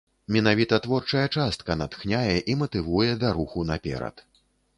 Менавіта творчая частка натхняе і матывуе да руху наперад.